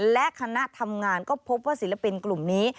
และคณะทำงานก็พบว่าศิลปินกลุ่มนี้